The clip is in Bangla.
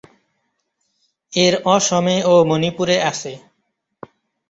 এর অসমে ও মণিপুরে আছে।